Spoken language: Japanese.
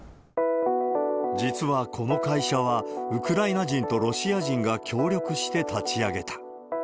実はこの会社は、ウクライナ人とロシア人が協力して立ち上げた。